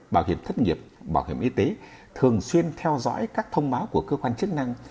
bảo hiểm thất nghiệp bảo hiểm y tế thường xuyên theo dõi các thông báo của cơ quan chức năng